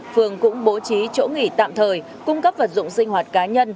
phường cũng bố trí chỗ nghỉ tạm thời cung cấp vật dụng sinh hoạt cá nhân